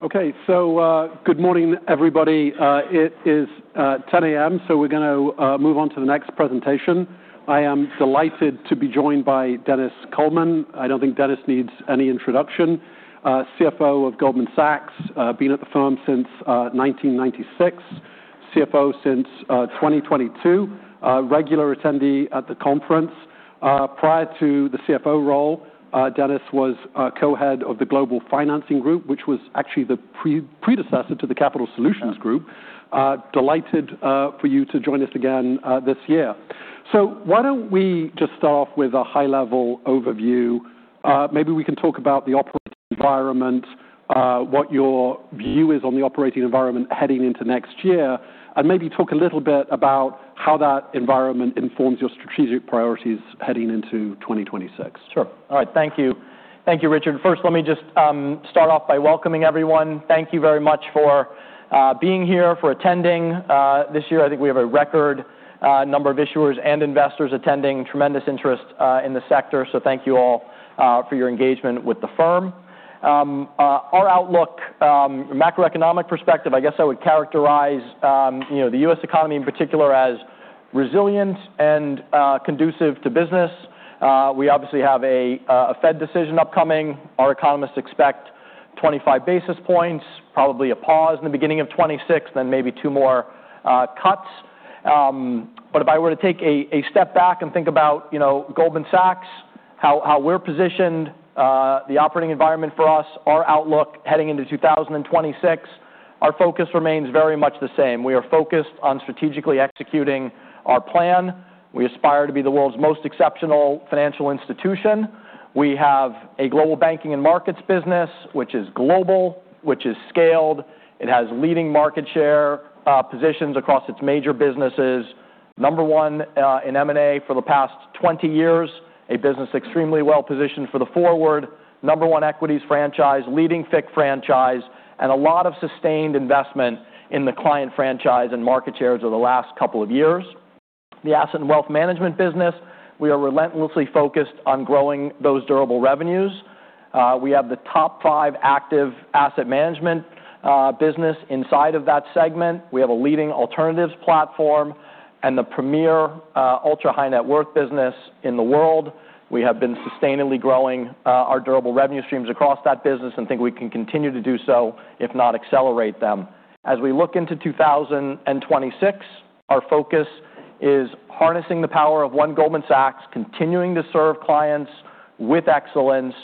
Okay, so, good morning, everybody. It is 10:00 A.M., so we're going to move on to the next presentation. I am delighted to be joined by Denis Coleman. I don't think Denis needs any introduction. CFO of Goldman Sachs, been at the firm since 1996, CFO since 2022, regular attendee at the conference. Prior to the CFO role, Denis was co-head of the Global Financing Group, which was actually the pre-predecessor to the Capital Solutions Group. Delighted for you to join us again this year. So why don't we just start off with a high-level overview? Maybe we can talk about the operating environment, what your view is on the operating environment heading into next year, and maybe talk a little bit about how that environment informs your strategic priorities heading into 2026. Sure. All right. Thank you. Thank you, Richard. First, let me just start off by welcoming everyone. Thank you very much for being here, for attending. This year, I think we have a record number of issuers and investors attending, tremendous interest in the sector. So thank you all for your engagement with the firm. Our outlook, macroeconomic perspective, I guess I would characterize, you know, the U.S. economy in particular as resilient and conducive to business. We obviously have a Fed decision upcoming. Our economists expect 25 basis points, probably a pause in the beginning of 2026, then maybe two more cuts. But if I were to take a step back and think about, you know, Goldman Sachs, how we're positioned, the operating environment for us, our outlook heading into 2026, our focus remains very much the same. We are focused on strategically executing our plan. We aspire to be the world's most exceptional financial institution. We have a Global Banking & Markets business, which is global, which is scaled. It has leading market share positions across its major businesses. Number one in M&A for the past 20 years, a business extremely well positioned for the future, number one equities franchise, leading FICC franchise, and a lot of sustained investment in the client franchise and market shares over the last couple of years. The Asset & Wealth Management business, we are relentlessly focused on growing those durable revenues. We have the top five active Asset Management business inside of that segment. We have a leading alternatives platform and the premier ultra-high net worth business in the world. We have been sustainably growing our durable revenue streams across that business and think we can continue to do so, if not accelerate them. As we look into 2026, our focus is harnessing the power of One Goldman Sachs, continuing to serve clients with excellence,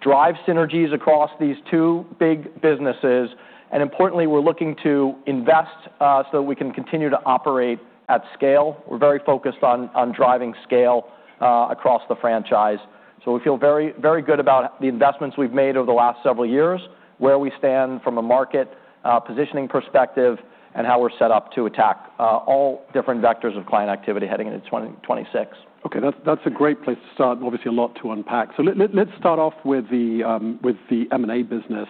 drive synergies across these two big businesses, and importantly, we're looking to invest so that we can continue to operate at scale. We're very focused on driving scale across the franchise, so we feel very, very good about the investments we've made over the last several years, where we stand from a market positioning perspective, and how we're set up to attack all different vectors of client activity heading into 2026. Okay, that's a great place to start. Obviously, a lot to unpack. So let's start off with the M&A business.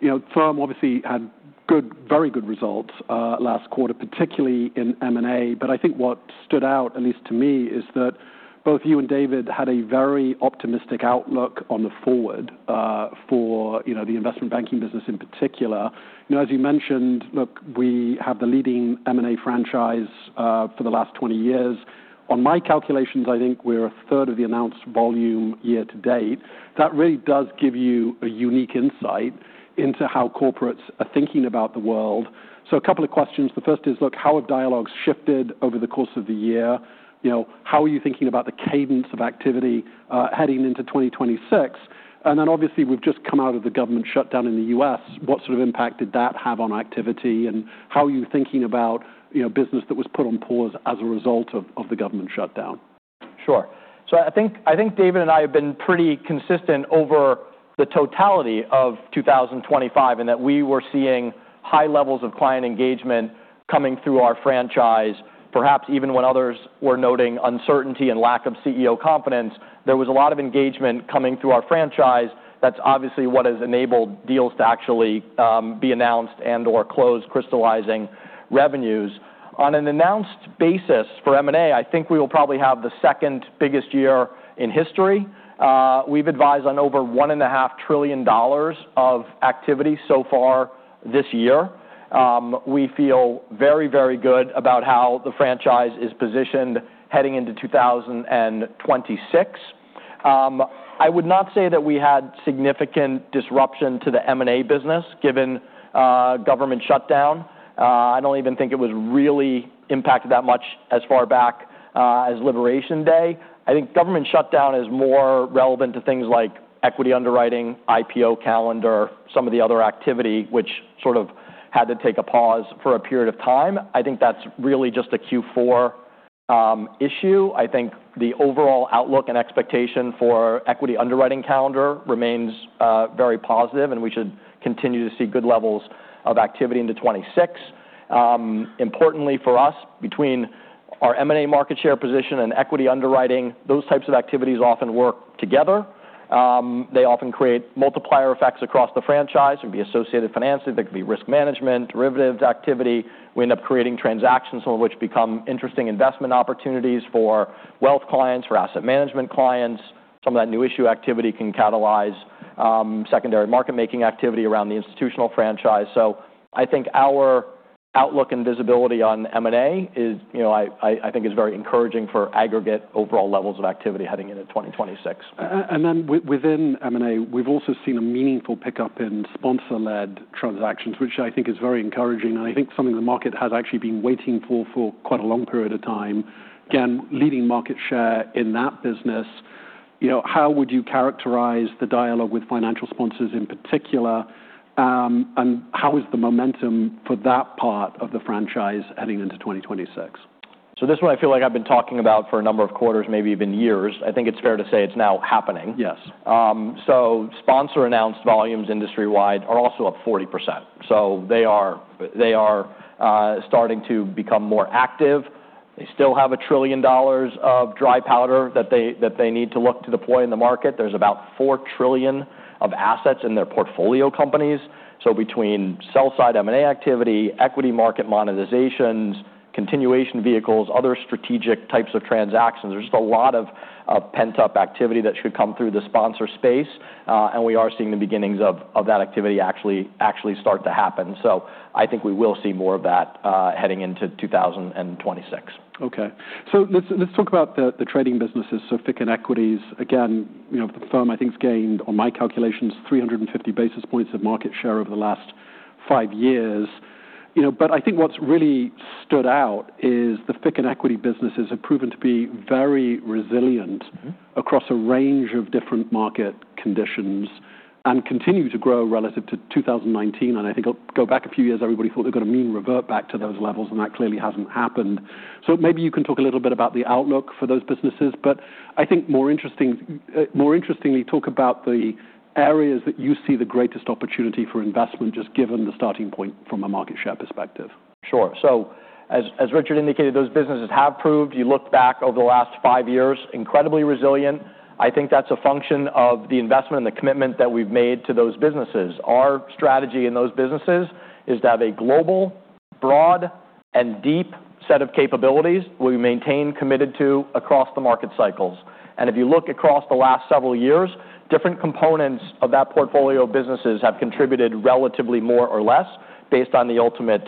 You know, the firm obviously had good, very good results last quarter, particularly in M&A. But I think what stood out, at least to me, is that both you and David had a very optimistic outlook on the forward, you know, the investment banking business in particular. You know, as you mentioned, look, we have the leading M&A franchise for the last 20 years. On my calculations, I think we're a third of the announced volume year to date. That really does give you a unique insight into how corporates are thinking about the world. So a couple of questions. The first is, look, how have dialogues shifted over the course of the year? You know, how are you thinking about the cadence of activity, heading into 2026? And then obviously, we've just come out of the government shutdown in the U.S. What sort of impact did that have on activity and how are you thinking about, you know, business that was put on pause as a result of, of the government shutdown? Sure, so I think, I think David and I have been pretty consistent over the totality of 2025 in that we were seeing high levels of client engagement coming through our franchise, perhaps even when others were noting uncertainty and lack of CEO confidence. There was a lot of engagement coming through our franchise. That's obviously what has enabled deals to actually be announced and/or closed, crystallizing revenues. On an announced basis for M&A, I think we will probably have the second biggest year in history. We've advised on over $1.5 trillion of activity so far this year. We feel very, very good about how the franchise is positioned heading into 2026. I would not say that we had significant disruption to the M&A business given government shutdown. I don't even think it was really impacted that much as far back as Liberation Day. I think government shutdown is more relevant to things like equity underwriting, IPO calendar, some of the other activity, which sort of had to take a pause for a period of time. I think that's really just a Q4 issue. I think the overall outlook and expectation for equity underwriting calendar remains very positive, and we should continue to see good levels of activity into 2026. Importantly for us, between our M&A market share position and equity underwriting, those types of activities often work together. They often create multiplier effects across the franchise. It could be associated financing. There could be risk management, derivatives activity. We end up creating transactions, some of which become interesting investment opportunities for Wealth clients, for Asset Management clients. Some of that new issue activity can catalyze secondary market-making activity around the institutional franchise. I think our outlook and visibility on M&A is, you know, I think is very encouraging for aggregate overall levels of activity heading into 2026. And then within M&A, we've also seen a meaningful pickup in sponsor-led transactions, which I think is very encouraging. And I think something the market has actually been waiting for, for quite a long period of time. Again, leading market share in that business. You know, how would you characterize the dialogue with financial sponsors in particular? And how is the momentum for that part of the franchise heading into 2026? So this is what I feel like I've been talking about for a number of quarters, maybe even years. I think it's fair to say it's now happening. Yes. So sponsor-announced volumes industry-wide are also up 40%. So they are starting to become more active. They still have $1 trillion of dry powder that they need to look to deploy in the market. There's about $4 trillion of assets in their portfolio companies. So between sell-side M&A activity, equity market monetizations, continuation vehicles, other strategic types of transactions, there's just a lot of pent-up activity that should come through the sponsor space. And we are seeing the beginnings of that activity actually start to happen. So I think we will see more of that heading into 2026. Okay. So let's talk about the trading businesses. So FICC and Equities, again, you know, the firm I think's gained, on my calculations, 350 basis points of market share over the last five years. You know, but I think what's really stood out is the FICC and Equity businesses have proven to be very resilient. Mm-hmm. Across a range of different market conditions and continue to grow relative to 2019. And I think I'll go back a few years. Everybody thought they were going to mean revert back to those levels, and that clearly hasn't happened. So maybe you can talk a little bit about the outlook for those businesses, but I think more interesting, more interestingly, talk about the areas that you see the greatest opportunity for investment, just given the starting point from a market share perspective. Sure, so as Richard indicated, those businesses have proved, you look back over the last five years, incredibly resilient. I think that's a function of the investment and the commitment that we've made to those businesses. Our strategy in those businesses is to have a global, broad, and deep set of capabilities we've maintained committed to across the market cycles, and if you look across the last several years, different components of that portfolio of businesses have contributed relatively more or less based on the ultimate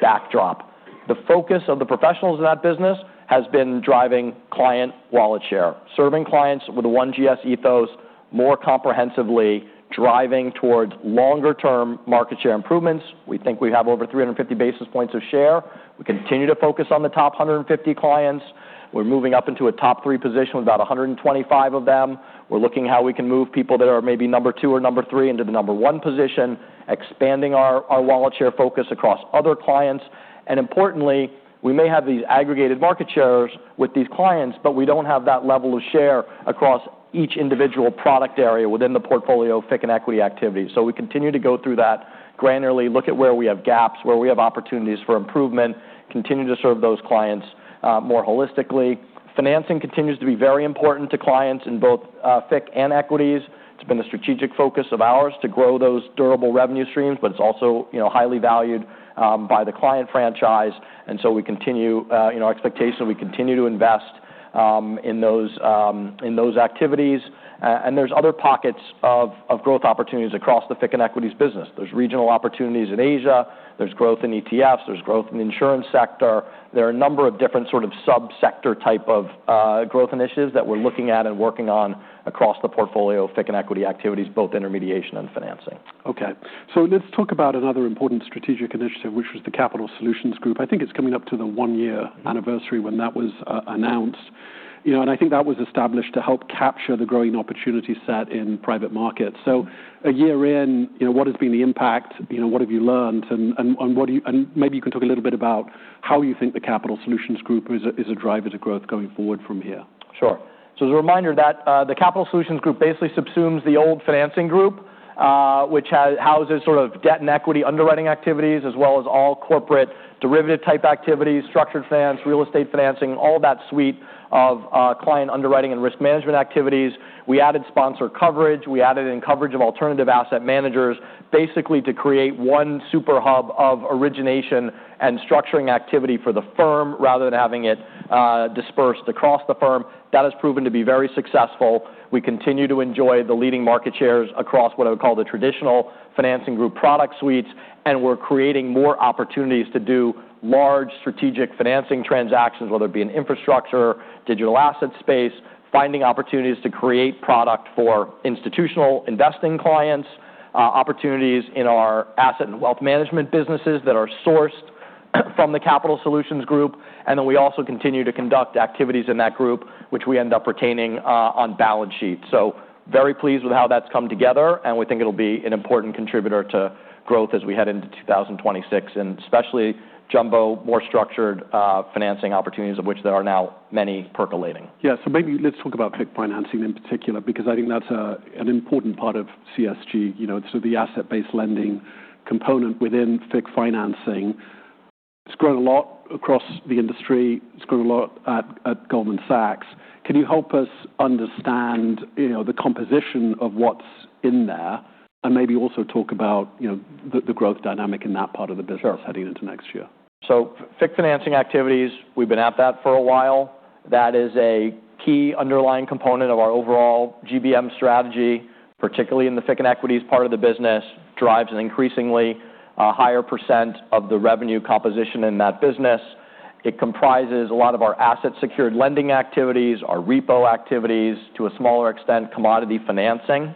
backdrop. The focus of the professionals in that business has been driving client wallet share, serving clients with a OneGS ethos more comprehensively, driving towards longer-term market share improvements. We think we have over 350 basis points of share. We continue to focus on the top 150 clients. We're moving up into a top three position with about 125 of them. We're looking at how we can move people that are maybe number two or number three into the number one position, expanding our wallet share focus across other clients. Importantly, we may have these aggregated market shares with these clients, but we don't have that level of share across each individual product area within the portfolio of FICC and Equities. So we continue to go through that granularly, look at where we have gaps, where we have opportunities for improvement, continue to serve those clients more holistically. Financing continues to be very important to clients in both FICC and Equities. It's been a strategic focus of ours to grow those durable revenue streams, but it's also, you know, highly valued by the client franchise. And so we continue, you know, our expectation, we continue to invest in those activities. and there's other pockets of growth opportunities across the FICC and Equities business. There's regional opportunities in Asia. There's growth in ETFs. There's growth in the insurance sector. There are a number of different sort of sub-sector type of growth initiatives that we're looking at and working on across the portfolio of FICC and Equity activities, both intermediation and financing. Okay. So let's talk about another important strategic initiative, which was the Capital Solutions Group. I think it's coming up to the one-year anniversary when that was announced. You know, and I think that was established to help capture the growing opportunity set in private markets. So a year in, you know, what has been the impact? You know, what have you learned? And what do you, and maybe you can talk a little bit about how you think the Capital Solutions Group is a driver to growth going forward from here. Sure. So as a reminder that, the Capital Solutions Group basically subsumes the old financing group, which houses sort of debt and equity underwriting activities as well as all corporate derivative-type activities, structured finance, real estate financing, all that suite of, client underwriting and risk management activities. We added sponsor coverage. We added in coverage of alternative asset managers basically to create one super hub of origination and structuring activity for the firm rather than having it, dispersed across the firm. That has proven to be very successful. We continue to enjoy the leading market shares across what I would call the traditional financing group product suites, and we're creating more opportunities to do large strategic financing transactions, whether it be in infrastructure, digital asset space, finding opportunities to create product for institutional investing clients, opportunities in our Asset & Wealth Management businesses that are sourced from the Capital Solutions Group, and then we also continue to conduct activities in that group, which we end up retaining, on balance sheet, so very pleased with how that's come together, and we think it'll be an important contributor to growth as we head into 2026, and especially jumbo, more structured, financing opportunities of which there are now many percolating. Yeah. So maybe let's talk about FICC financing in particular, because I think that's an important part of CSG, you know, sort of the asset-based lending component within FICC financing. It's grown a lot across the industry. It's grown a lot at Goldman Sachs. Can you help us understand, you know, the composition of what's in there and maybe also talk about, you know, the growth dynamic in that part of the business heading into next year? Sure. So FICC financing activities, we've been at that for a while. That is a key underlying component of our overall GBM strategy, particularly in the FICC and Equities part of the business, drives an increasingly higher % of the revenue composition in that business. It comprises a lot of our asset-secured lending activities, our repo activities, to a smaller extent, commodity financing,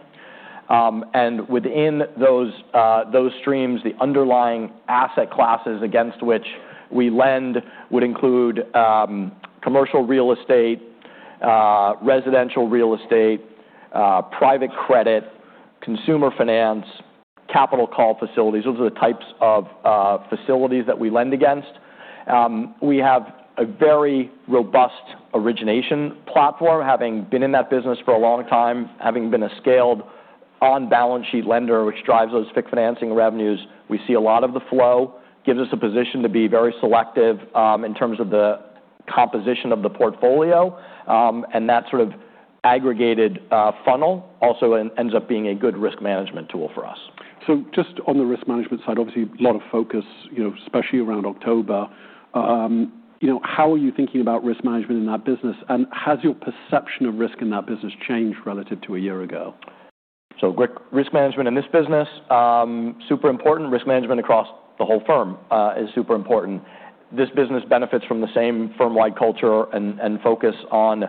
and within those streams, the underlying asset classes against which we lend would include commercial real estate, residential real estate, private credit, consumer finance, capital call facilities. Those are the types of facilities that we lend against. We have a very robust origination platform, having been in that business for a long time, having been a scaled on-balance sheet lender, which drives those FICC financing revenues. We see a lot of the flow, gives us a position to be very selective, in terms of the composition of the portfolio, and that sort of aggregated, funnel also ends up being a good risk management tool for us. So just on the risk management side, obviously a lot of focus, you know, especially around October. You know, how are you thinking about risk management in that business? And has your perception of risk in that business changed relative to a year ago? Risk management in this business is super important. Risk management across the whole firm is super important. This business benefits from the same firm-wide culture and focus on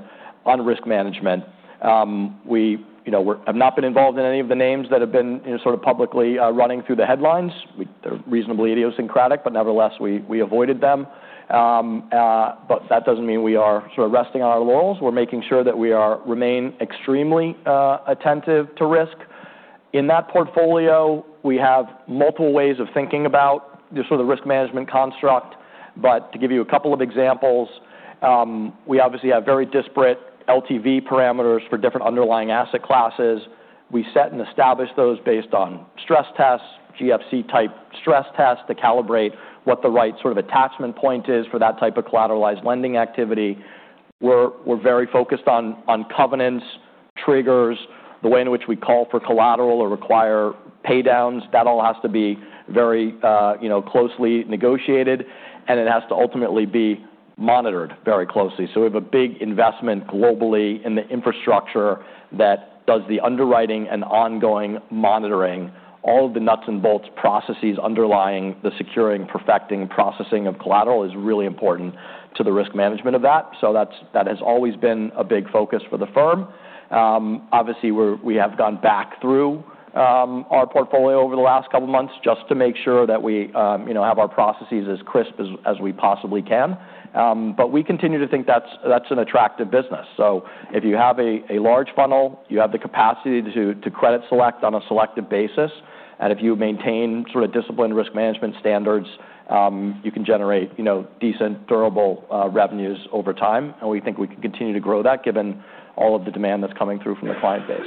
risk management. You know, we have not been involved in any of the names that have been, you know, sort of publicly running through the headlines. We're reasonably idiosyncratic, but nevertheless, we avoided them. That doesn't mean we are sort of resting on our laurels. We're making sure that we remain extremely attentive to risk. In that portfolio, we have multiple ways of thinking about this sort of risk management construct. To give you a couple of examples, we obviously have very disparate LTV parameters for different underlying asset classes. We set and establish those based on stress tests, GFC-type stress tests to calibrate what the right sort of attachment point is for that type of collateralized lending activity. We're very focused on covenants, triggers, the way in which we call for collateral or require paydowns. That all has to be very, you know, closely negotiated, and it has to ultimately be monitored very closely. So we have a big investment globally in the infrastructure that does the underwriting and ongoing monitoring. All of the nuts and bolts processes underlying the securing, perfecting, processing of collateral is really important to the risk management of that. So that has always been a big focus for the firm. Obviously, we have gone back through our portfolio over the last couple of months just to make sure that we, you know, have our processes as crisp as we possibly can, but we continue to think that's an attractive business, so if you have a large funnel, you have the capacity to credit select on a selective basis. And if you maintain sort of disciplined risk management standards, you can generate, you know, decent, durable revenues over time, and we think we can continue to grow that given all of the demand that's coming through from the client base.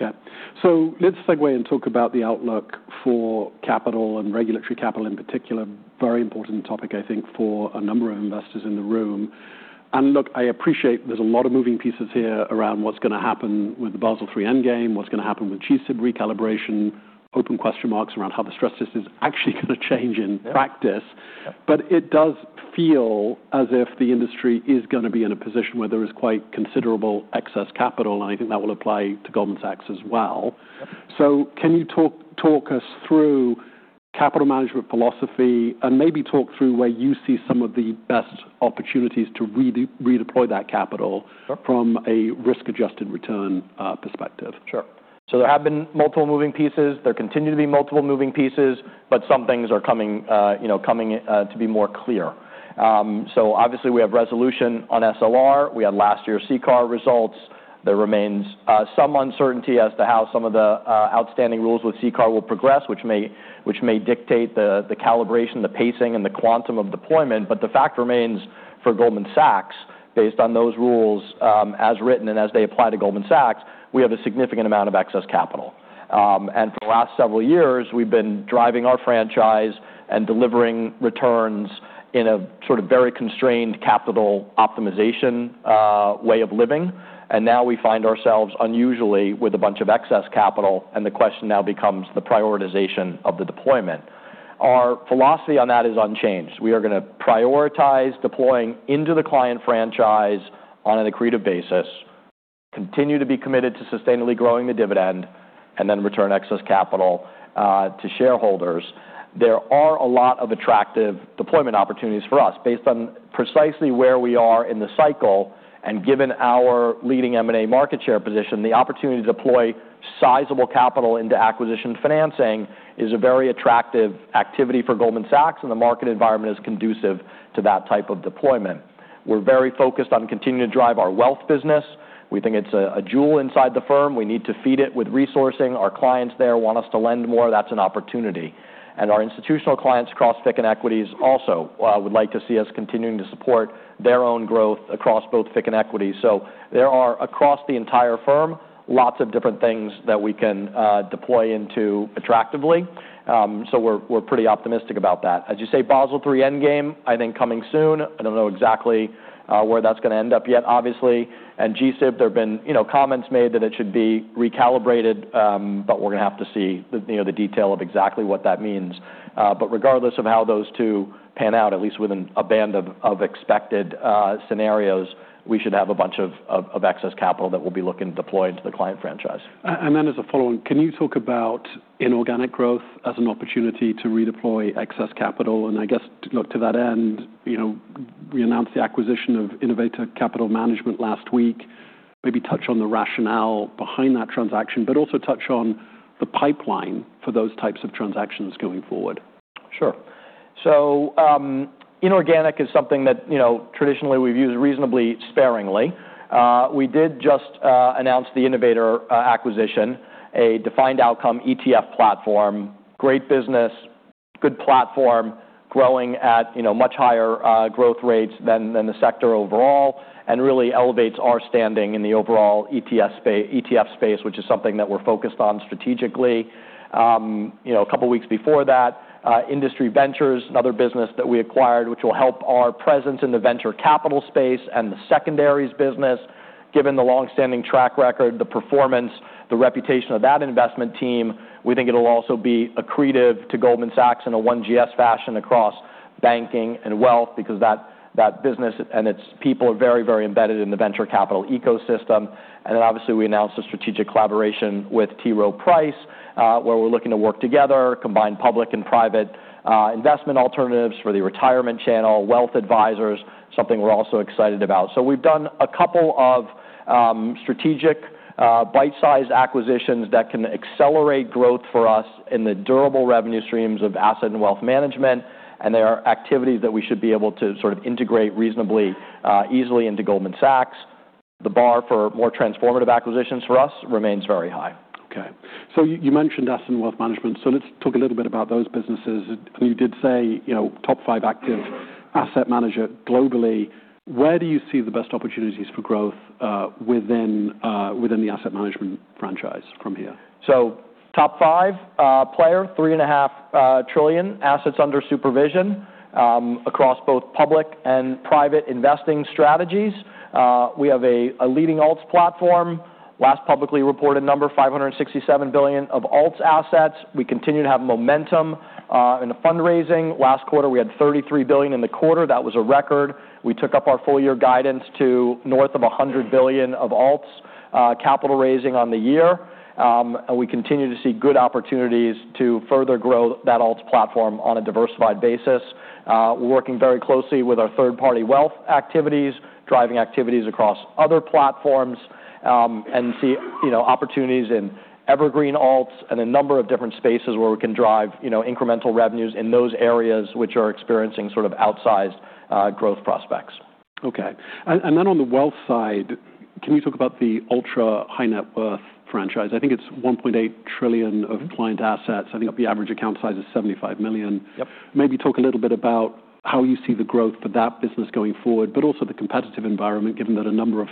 Okay. So let's segue and talk about the outlook for capital and regulatory capital in particular. Very important topic, I think, for a number of investors in the room. And look, I appreciate there's a lot of moving pieces here around what's going to happen with the Basel III Endgame, what's going to happen with G-SIB recalibration, open question marks around how the stress test is actually going to change in practice. But it does feel as if the industry is going to be in a position where there is quite considerable excess capital. And I think that will apply to Goldman Sachs as well. So can you talk us through capital management philosophy and maybe talk through where you see some of the best opportunities to redeploy that capital from a risk-adjusted return, perspective? Sure. So there have been multiple moving pieces. There continue to be multiple moving pieces, but some things are coming, you know, coming, to be more clear. So obviously we have resolution on SLR. We had last year's CCAR results. There remains some uncertainty as to how some of the outstanding rules with CCAR will progress, which may dictate the calibration, the pacing, and the quantum of deployment. But the fact remains for Goldman Sachs, based on those rules, as written and as they apply to Goldman Sachs, we have a significant amount of excess capital. And for the last several years, we've been driving our franchise and delivering returns in a sort of very constrained capital optimization way of living. And now we find ourselves unusually with a bunch of excess capital. And the question now becomes the prioritization of the deployment. Our philosophy on that is unchanged. We are going to prioritize deploying into the client franchise on an accretive basis, continue to be committed to sustainably growing the dividend, and then return excess capital, to shareholders. There are a lot of attractive deployment opportunities for us based on precisely where we are in the cycle. And given our leading M&A market share position, the opportunity to deploy sizable capital into acquisition financing is a very attractive activity for Goldman Sachs. And the market environment is conducive to that type of deployment. We're very focused on continuing to drive our Wealth business. We think it's a jewel inside the firm. We need to feed it with resourcing. Our clients there want us to lend more. That's an opportunity. Our institutional clients across FICC and Equities also would like to see us continuing to support their own growth across both FICC and Equities. There are across the entire firm lots of different things that we can deploy into attractively. We're pretty optimistic about that. As you say, Basel III Endgame, I think coming soon. I don't know exactly where that's going to end up yet, obviously. G-SIB, there have been, you know, comments made that it should be recalibrated, but we're going to have to see the, you know, the detail of exactly what that means. Regardless of how those two pan out, at least within a band of excess capital that we'll be looking to deploy into the client franchise. Then, as a follow-up, can you talk about inorganic growth as an opportunity to redeploy excess capital? And I guess, to that end, you know, we announced the acquisition of Innovator Capital Management last week. Maybe touch on the rationale behind that transaction, but also touch on the pipeline for those types of transactions going forward. Sure. So, inorganic is something that, you know, traditionally we've used reasonably sparingly. We did just announce the Innovator acquisition, a defined outcome ETF platform, great business, good platform, growing at, you know, much higher growth rates than the sector overall, and really elevates our standing in the overall ETF space, which is something that we're focused on strategically. You know, a couple of weeks before that, Industry Ventures, another business that we acquired, which will help our presence in the venture capital space and the secondaries business. Given the longstanding track record, the performance, the reputation of that investment team, we think it'll also be accretive to Goldman Sachs in a OneGS fashion across banking and wealth because that business and its people are very, very embedded in the venture capital ecosystem. And then obviously we announced a strategic collaboration with T. Rowe Price, where we're looking to work together, combine public and private, investment alternatives for the retirement channel, wealth advisors, something we're also excited about, so we've done a couple of strategic, bite-sized acquisitions that can accelerate growth for us in the durable revenue streams of Asset & Wealth Management, and there are activities that we should be able to sort of integrate reasonably easily into Goldman Sachs. The bar for more transformative acquisitions for us remains very high. Okay. So you mentioned Asset & Wealth Management. So let's talk a little bit about those businesses. And you did say, you know, top five active asset manager globally. Where do you see the best opportunities for growth, within the Asset Management franchise from here? So, top-five player, $3.5 trillion assets under supervision across both public and private investing strategies. We have a leading alts platform. Last publicly reported number, $567 billion of alts assets. We continue to have momentum in the fundraising. Last quarter we had $33 billion in the quarter. That was a record. We took up our full year guidance to north of $100 billion of alts capital raising on the year. And we continue to see good opportunities to further grow that alts platform on a diversified basis. We're working very closely with our third-party wealth activities, driving activities across other platforms, and see, you know, opportunities in evergreen alts and a number of different spaces where we can drive, you know, incremental revenues in those areas which are experiencing sort of outsized growth prospects. Okay, and then on the Wealth side, can you talk about the ultra high net worth franchise? I think it's $1.8 trillion of client assets. I think the average account size is $75 million. Yep. Maybe talk a little bit about how you see the growth for that business going forward, but also the competitive environment, given that a number of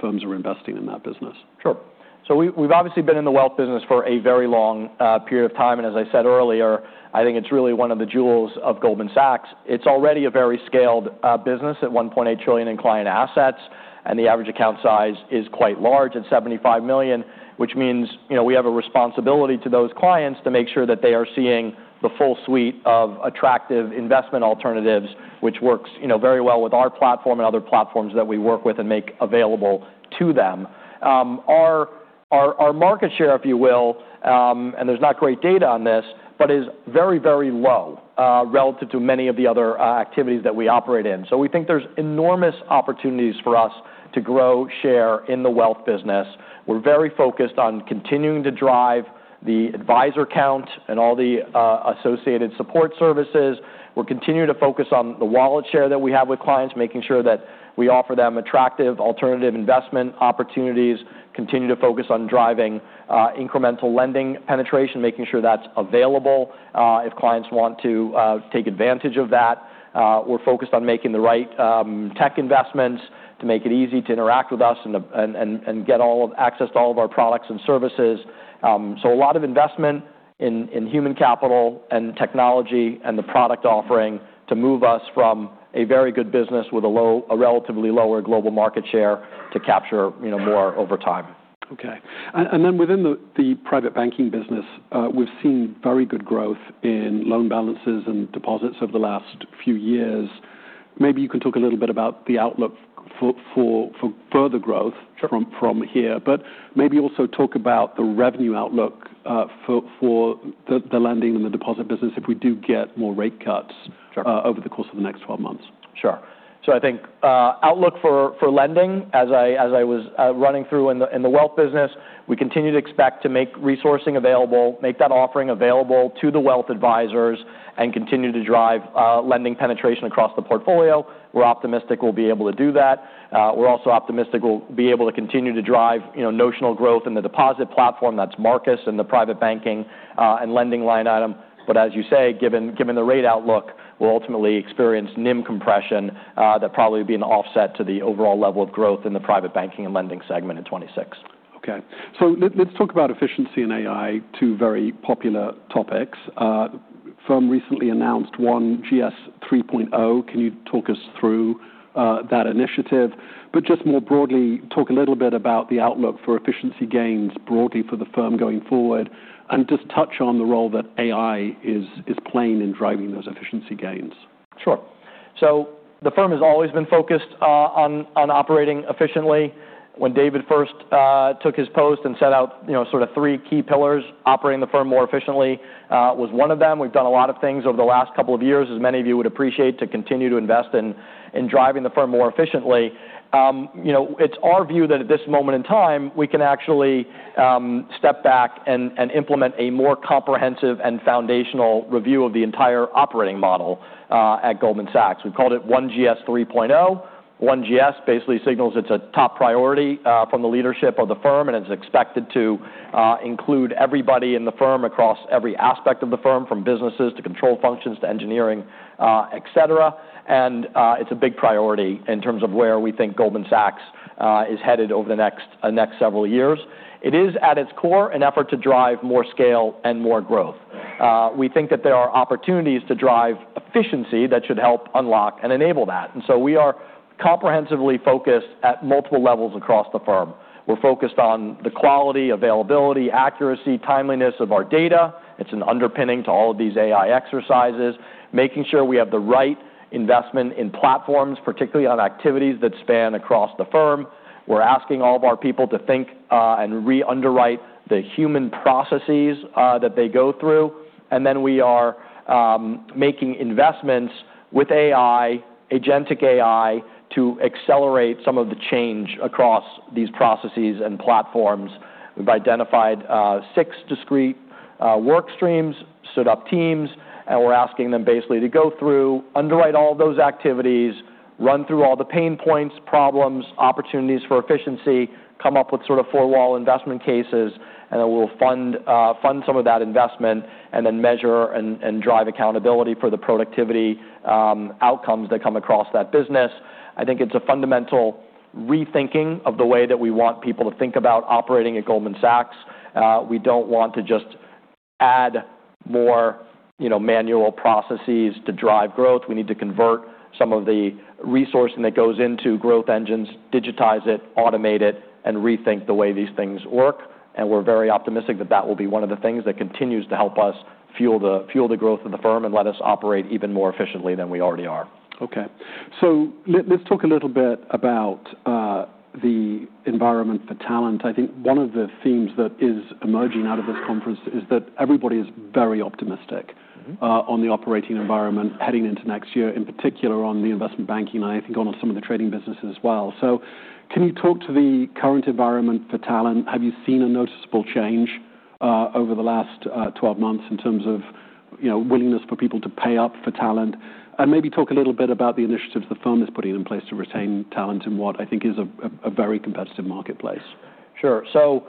firms are investing in that business. Sure. So we've obviously been in the Wealth business for a very long period of time. And as I said earlier, I think it's really one of the jewels of Goldman Sachs. It's already a very scaled business at $1.8 trillion in client assets. And the average account size is quite large at $75 million, which means, you know, we have a responsibility to those clients to make sure that they are seeing the full suite of attractive investment alternatives, which works, you know, very well with our platform and other platforms that we work with and make available to them. Our market share, if you will, and there's not great data on this, but is very, very low, relative to many of the other activities that we operate in. So we think there's enormous opportunities for us to grow share in the Wealth business. We're very focused on continuing to drive the advisor count and all the associated support services. We're continuing to focus on the wallet share that we have with clients, making sure that we offer them attractive alternative investment opportunities, continue to focus on driving incremental lending penetration, making sure that's available if clients want to take advantage of that. We're focused on making the right tech investments to make it easy to interact with us and get access to all of our products and services, so a lot of investment in human capital and technology and the product offering to move us from a very good business with a relatively lower global market share to capture, you know, more over time. Okay. And then within the private banking business, we've seen very good growth in loan balances and deposits over the last few years. Maybe you can talk a little bit about the outlook for further growth from here, but maybe also talk about the revenue outlook for the lending and the deposit business if we do get more rate cuts over the course of the next 12 months. Sure. So I think outlook for lending, as I was running through in the Wealth business, we continue to expect to make resourcing available, make that offering available to the wealth advisors, and continue to drive lending penetration across the portfolio. We're optimistic we'll be able to do that. We're also optimistic we'll be able to continue to drive, you know, notional growth in the deposit platform. That's Marcus and the Private Banking & Lending line item. But as you say, given the rate outlook, we'll ultimately experience NIM compression that probably will be an offset to the overall level of growth in the Private Banking & Lending segment in 2026. Okay. So let's talk about efficiency and AI, two very popular topics. The firm recently announced OneGS 3.0. Can you talk us through that initiative? But just more broadly, talk a little bit about the outlook for efficiency gains broadly for the firm going forward and just touch on the role that AI is playing in driving those efficiency gains. Sure. So the firm has always been focused on operating efficiently. When David first took his post and set out, you know, sort of three key pillars, operating the firm more efficiently was one of them. We've done a lot of things over the last couple of years, as many of you would appreciate, to continue to invest in driving the firm more efficiently. You know, it's our view that at this moment in time, we can actually step back and implement a more comprehensive and foundational review of the entire operating model at Goldman Sachs. We've called it OneGS 3.0. OneGS basically signals it's a top priority from the leadership of the firm, and it's expected to include everybody in the firm across every aspect of the firm, from businesses to control functions to engineering, etc. And it's a big priority in terms of where we think Goldman Sachs is headed over the next next several years. It is at its core an effort to drive more scale and more growth. We think that there are opportunities to drive efficiency that should help unlock and enable that. And so we are comprehensively focused at multiple levels across the firm. We're focused on the quality, availability, accuracy, timeliness of our data. It's an underpinning to all of these AI exercises, making sure we have the right investment in platforms, particularly on activities that span across the firm. We're asking all of our people to think and re-underwrite the human processes that they go through. And then we are making investments with AI, agentic AI, to accelerate some of the change across these processes and platforms. We've identified six discrete work streams, stood up teams, and we're asking them basically to go through, underwrite all of those activities, run through all the pain points, problems, opportunities for efficiency, come up with sort of four-wall investment cases, and then we'll fund some of that investment and then measure and drive accountability for the productivity outcomes that come across that business. I think it's a fundamental rethinking of the way that we want people to think about operating at Goldman Sachs. We don't want to just add more, you know, manual processes to drive growth. We need to convert some of the resourcing that goes into growth engines, digitize it, automate it, and rethink the way these things work. We're very optimistic that that will be one of the things that continues to help us fuel the growth of the firm and let us operate even more efficiently than we already are. Okay. So let's talk a little bit about the environment for talent. I think one of the themes that is emerging out of this conference is that everybody is very optimistic on the operating environment heading into next year, in particular on the investment banking and I think on some of the trading businesses as well. So can you talk to the current environment for talent? Have you seen a noticeable change over the last 12 months in terms of you know willingness for people to pay up for talent? And maybe talk a little bit about the initiatives the firm is putting in place to retain talent in what I think is a very competitive marketplace. Sure. So,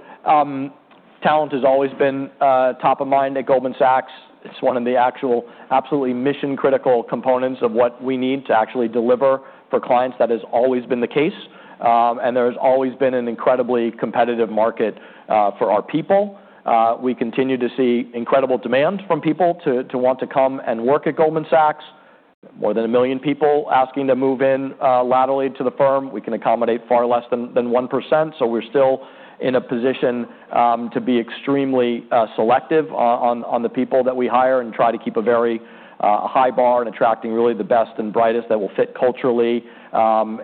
talent has always been top of mind at Goldman Sachs. It's one of the actually absolutely mission-critical components of what we need to actually deliver for clients. That has always been the case, and there has always been an incredibly competitive market for our people. We continue to see incredible demand from people to want to come and work at Goldman Sachs. More than a million people asking to move in laterally to the firm. We can accommodate far less than 1%. So we're still in a position to be extremely selective on the people that we hire and try to keep a very high bar and attracting really the best and brightest that will fit culturally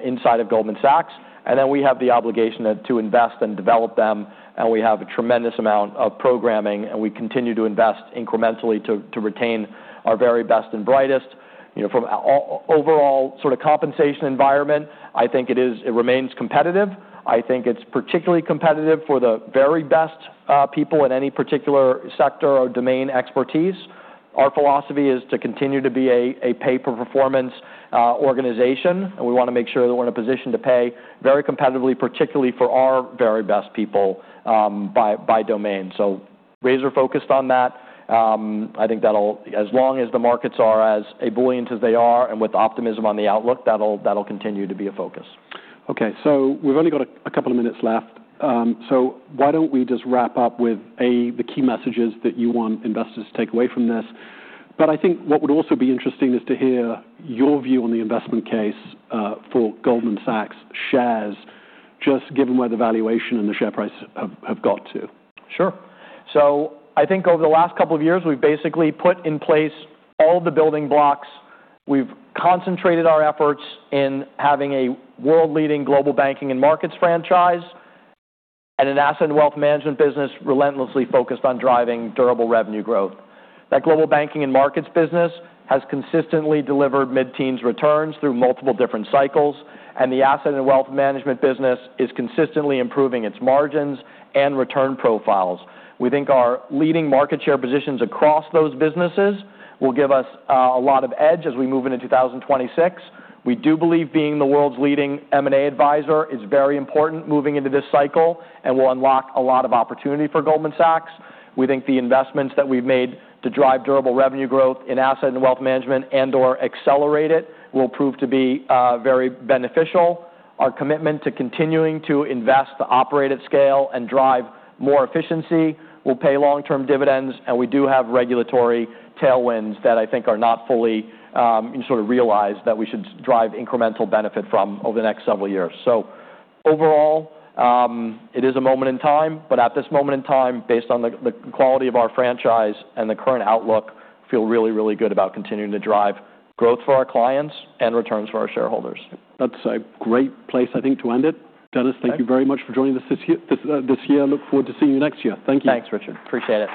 inside of Goldman Sachs. And then we have the obligation to invest and develop them. We have a tremendous amount of programming, and we continue to invest incrementally to retain our very best and brightest. You know, from overall sort of compensation environment, I think it is, it remains competitive. I think it's particularly competitive for the very best people in any particular sector or domain expertise. Our philosophy is to continue to be a pay-for-performance organization. And we want to make sure that we're in a position to pay very competitively, particularly for our very best people, by domain. So razor-focused on that. I think that'll, as long as the markets are as ebullient as they are and with optimism on the outlook, continue to be a focus. Okay. So we've only got a couple of minutes left. So why don't we just wrap up with, A, the key messages that you want investors to take away from this? But I think what would also be interesting is to hear your view on the investment case for Goldman Sachs shares, just given where the valuation and the share price have, have got to. Sure. So I think over the last couple of years, we've basically put in place all of the building blocks. We've concentrated our efforts in having a world-leading Global Banking & Markets franchise and an Asset & Wealth management business relentlessly focused on driving durable revenue growth. That Global Banking & Markets business has consistently delivered mid-teens returns through multiple different cycles, and the Asset & Wealth management business is consistently improving its margins and return profiles. We think our leading market share positions across those businesses will give us a lot of edge as we move into 2026. We do believe being the world's leading M&A advisor is very important moving into this cycle, and will unlock a lot of opportunity for Goldman Sachs. We think the investments that we've made to drive durable revenue growth in Asset & Wealth management and/or accelerate it will prove to be very beneficial. Our commitment to continuing to invest to operate at scale and drive more efficiency will pay long-term dividends. And we do have regulatory tailwinds that I think are not fully sort of realized that we should drive incremental benefit from over the next several years. So overall, it is a moment in time, but at this moment in time, based on the quality of our franchise and the current outlook, I feel really, really good about continuing to drive growth for our clients and returns for our shareholders. That's a great place, I think, to end it. Denis, thank you very much for joining us this year. Look forward to seeing you next year. Thank you. Thanks, Richard. Appreciate it.